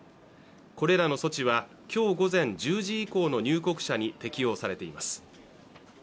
これらの措置はきょう午前１０時以降の入国者に適用されています